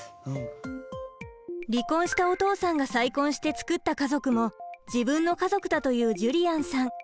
離婚したお父さんが再婚して作った家族も自分の家族だというジュリアンさん。